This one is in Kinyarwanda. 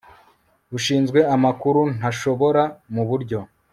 Ushinzwe amakuru ntashobora mu buryo